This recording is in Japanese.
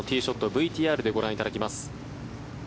ＶＴＲでご覧いただきます。